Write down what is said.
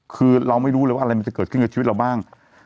คือเราไม่รู้เลยว่าอะไรมันจะเกิดขึ้นกับชีวิตเราบ้าง